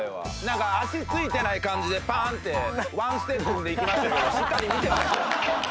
なんか足ついてない感じでパーンってワンステップ踏んでいきましたけどしっかり見てました。